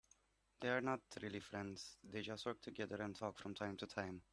They are not really friends, they just work together and talk from time to time.